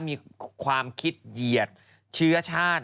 มีความคิดเหยียดเชื้อชาติ